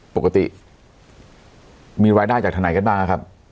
ปกติมีรายได้จากทางไหนกันบ้างครับ